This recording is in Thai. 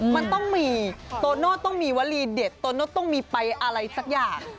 มันต้องมีโตโน่ต้องมีวลีเด็ดโตโน่ต้องมีไปอะไรสักอย่าง